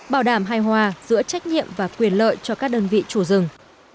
bảo đảm hài hòa giữa trách nhiệm và quyền lợi cho các đơn vị chủ rừng